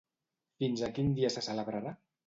Fins a quin dia se celebrarà?